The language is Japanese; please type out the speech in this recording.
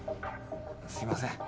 すいません。